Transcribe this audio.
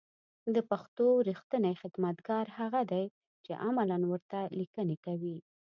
د پښتو رېښتينی خدمتگار هغه دی چې عملاً ورته ليکنې کوي